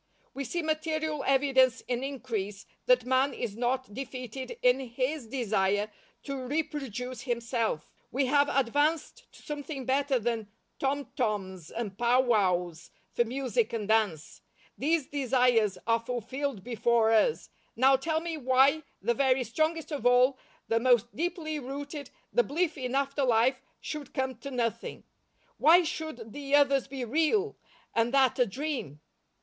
We see material evidence in increase that man is not defeated in his desire to reproduce himself; we have advanced to something better than tom toms and pow wows for music and dance; these desires are fulfilled before us, now tell me why the very strongest of all, the most deeply rooted, the belief in after life, should come to nothing. Why should the others be real, and that a dream?"